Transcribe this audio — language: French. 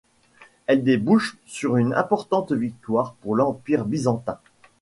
Elle débouche sur une importante victoire pour l'Empire byzantin.